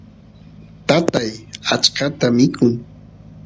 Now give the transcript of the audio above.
tatay achkata mikun